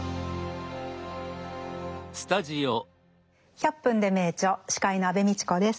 「１００分ｄｅ名著」司会の安部みちこです。